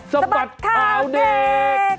สบัดข่าวเด็กสบัดข่าวเด็ก